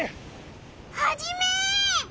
ハジメ！